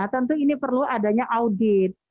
tentu ini perlu adanya audit